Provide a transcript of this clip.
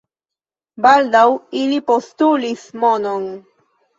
Baldaŭ ili postulis monon.